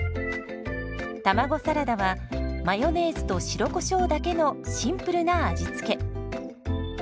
卵サラダはマヨネーズと白コショウだけのシンプルな味付け。